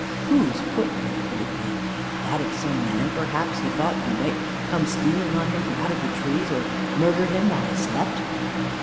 Whose footprint could it be? That of some man, perhaps, he thought, who might come stealing on him out from the trees, or murder him while he slept.